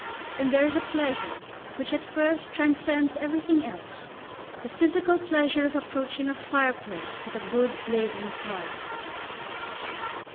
And there is a pleasure, which at first transcends everything else the physical pleasure of approaching a fireplace with a good blazing fire.